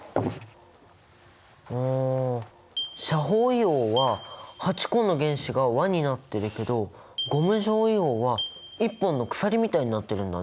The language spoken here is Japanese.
あ斜方硫黄は８個の原子が輪になってるけどゴム状硫黄は１本の鎖みたいになってるんだね。